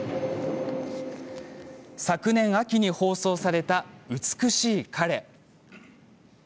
昨年秋に放送された「美しい彼」。